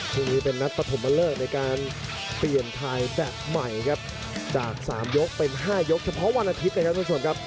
พรุ่งนี้เป็นนัดปฐมเลิกในการเปลี่ยนถ่ายแบบใหม่ครับจากสามยกเป็น๕ยกเฉพาะวันอาทิตย์นะครับทุกผู้ชมครับ